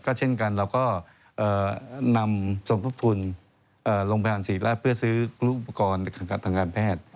ก็เช่นกันเราก็นำสมทบทุนลงพยาบาลศีรษฐ์และเพื่อซื้อรูปกรณ์ของการแพทย์